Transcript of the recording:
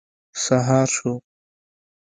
سهار شو.